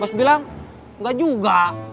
boss bilang enggak juga